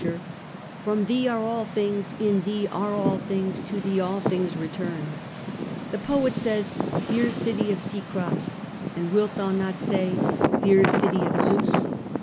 123 ture ; from thee are all things ; in thee are all things ; to thee all things return. The poet says, Dear city of Cecrops ; and wilt thou not say, Dear city of Zeus